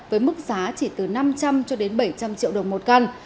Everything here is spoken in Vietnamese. với mức giá chỉ từ năm trăm linh cho đến bảy trăm linh triệu đồng một căn